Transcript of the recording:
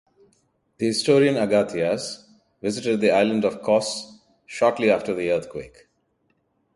The historian Agathias visited the island of Kos shortly after the earthquake.